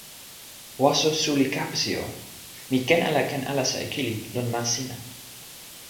waso suli Kapesi o, mi ken ala ken alasa e kili lon ma sina?